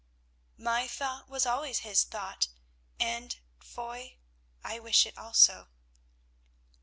"My thought was always his thought, and—Foy—I wish it also."